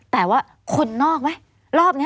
แต่ว่าคนนอกไหม